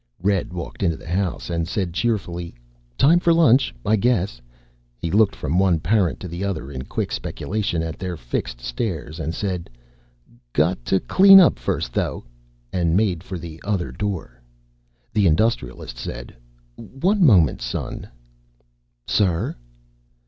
Red walked into the house and said cheerfully, "Time for lunch, I guess." He looked from one parent to the other in quick speculation at their fixed stares and said, "Got to clean up first, though," and made for the other door. The Industrialist said, "One moment, son." "Sir?"